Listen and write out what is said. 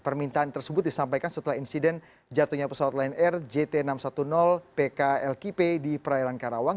permintaan tersebut disampaikan setelah insiden jatuhnya pesawat lion air jt enam ratus sepuluh pklkp di perairan karawang